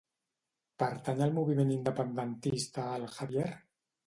Pertany al moviment independentista el Javier?